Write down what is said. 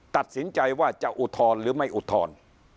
ตัดสินใจว่าจะอุทธรณ์หรือไม่อุทธรณ์